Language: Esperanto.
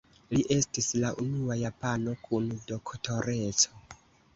Li estis la unua japano kun Doktoreco.